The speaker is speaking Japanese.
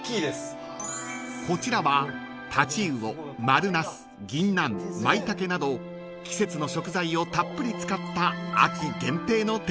［こちらは太刀魚丸ナスギンナンマイタケなど季節の食材をたっぷり使った秋限定の天丼です］